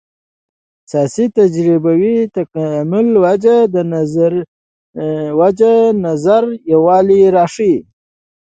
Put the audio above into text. سیاسي تجربو تکامل وجه نظر یووالی راشي.